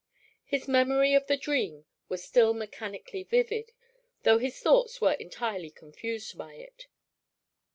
His memory of the dream was still mechanically vivid, though his thoughts were entirely confused by it.